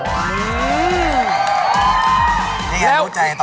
ละนี้ครับถูกใจต่อ